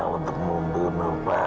untuk membunuh papa